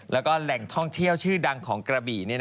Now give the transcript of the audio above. แล้วก็แหล่งท่องเที่ยวชื่อดังของกระบี่